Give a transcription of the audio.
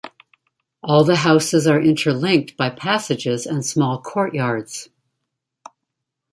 All the houses are interlinked by passages and small courtyards.